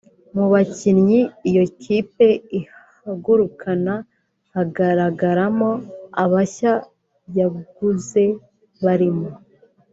Mu bakinnyi iyo kipe ihagurukana hagaragaramo abashya yaguze barimo